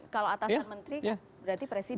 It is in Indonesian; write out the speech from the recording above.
kalau atasan menteri berarti presiden